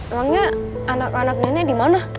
emangnya anak anak nenek dimana